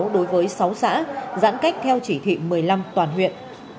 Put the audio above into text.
đối với sáu xã giãn cách theo chỉ thị một mươi năm toàn huyện